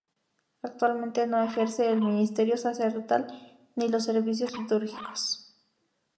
Actualmente no ejerce el ministerio sacerdotal ni los servicios litúrgicos.